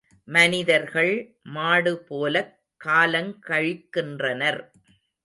மனிதர்கள் மாடு போலக் காலங் கழிக்கின்றனர்.